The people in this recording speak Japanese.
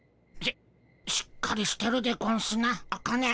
ししっかりしてるでゴンスなアカネ。